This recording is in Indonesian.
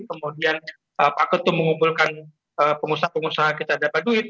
kemudian pak ketum mengumpulkan pengusaha pengusaha kita dapat duit